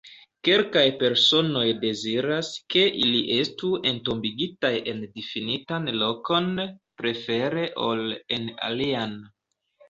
Kelkaj personoj deziras ke ili estu entombigitaj en difinitan lokon, prefere ol en alian.